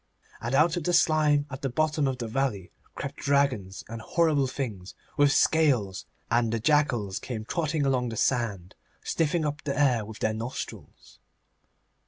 And out of the slime at the bottom of the valley crept dragons and horrible things with scales, and the jackals came trotting along the sand, sniffing up the air with their nostrils.